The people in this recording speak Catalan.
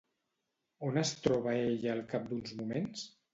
On es troba ella al cap d'uns moments?